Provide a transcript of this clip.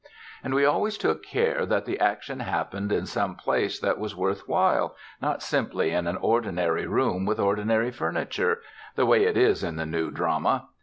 And we always took care that the action happened in some place that was worth while, not simply in an ordinary room with ordinary furniture, the way it is in the new drama.